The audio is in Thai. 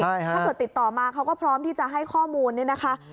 ถ้าเกิดติดต่อมาเขาก็พร้อมที่จะให้ข้อมูลเนี่ยนะคะ